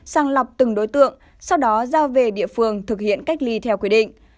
sàng lọc từng đối tượng sau đó giao về địa phương thực hiện cách ly theo quy định